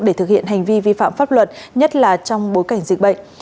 để thực hiện hành vi vi phạm pháp luật nhất là trong bối cảnh dịch bệnh